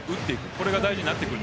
これが大事になってくる。